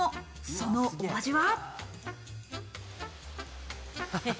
そのお味は。